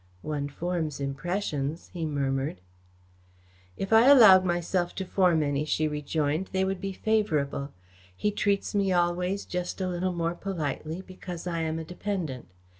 "One forms impressions," he murmured. "If I allowed myself to form any," she rejoined, "they would be favourable. He treats me always just a little more politely, because I am a dependent.